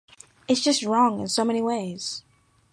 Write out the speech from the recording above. It's just wrong in so many ways.